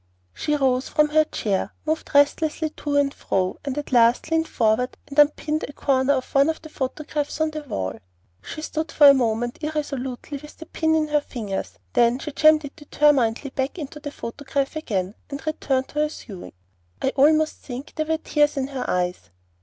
She rose from her chair, moved restlessly to and fro, and at last leaned forward and unpinned a corner of one of the photographs on the wall. She stood for a moment irresolutely with the pin in her fingers, then she jammed it determinedly back into the photograph again, and returned to her sewing. I almost think there were tears in her eyes.